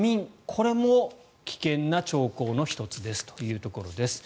これも危険な兆候の１つですというところです。